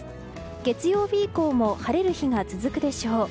月曜日以降も晴れる日が続くでしょう。